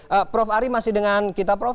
mas helmawan hari ini masih dengan kita prof